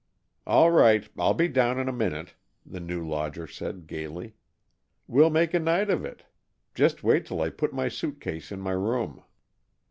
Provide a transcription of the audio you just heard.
"All right, I'll be down in a minute," the new lodger said, gaily. "We'll make a night of it! Just wait till I put my suit case in my room."